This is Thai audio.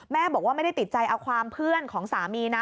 บอกว่าไม่ได้ติดใจเอาความเพื่อนของสามีนะ